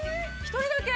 ◆１人だけ？